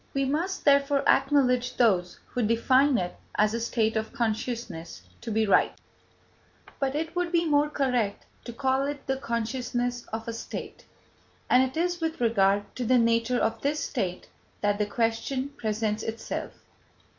We must, therefore, acknowledge those who define it as a state of consciousness to be right, but it would be more correct to call it the consciousness of a state, and it is with regard to the nature of this state that the question presents itself.